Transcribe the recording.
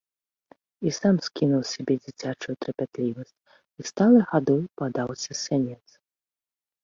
І сам скінуў з сябе дзіцячую трапятлівасць і сталай хадой падаўся з сянец.